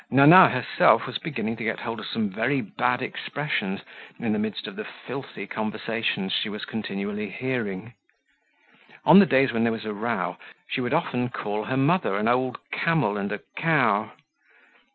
Nana herself was beginning to get hold of some very bad expressions in the midst of the filthy conversations she was continually hearing. On the days when there was a row, she would often call her mother an old camel and a cow.